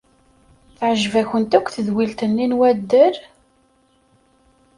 Teɛjeb-akent tedwilt-nni n waddal?